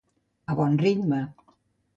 A bon ritme.